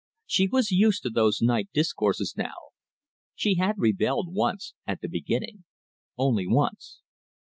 She was used to those night discourses now. She had rebelled once at the beginning. Only once.